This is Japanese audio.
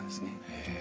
へえ。